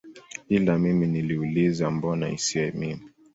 Ila mimi niliuliza mbona isiwe mimi